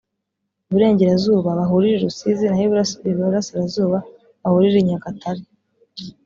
Iburengerazuba bahurire i Rusizi naho Iburasirazuba bahurire i Nyagatare